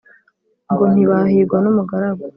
Ngo ntibahigwa n’umugaragu.